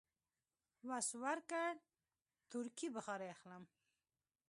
وس ورکړ، تورکي بخارۍ اخلم.